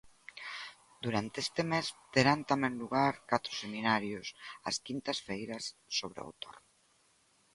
Durante este mes terán tamén lugar catro seminarios, as quintas feiras, sobre o autor.